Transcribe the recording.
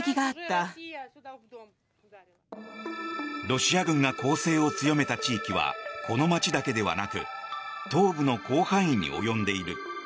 ロシア軍が攻勢を強めた地域はこの街だけではなく東部の広範囲に及んでいる。